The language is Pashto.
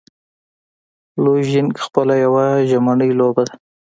لوژینګ خپله یوه ژمنی لوبه ده.